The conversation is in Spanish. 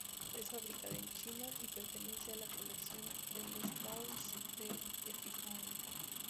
Es fabricada en China, y pertenece a la colección de Les Pauls de Epiphone.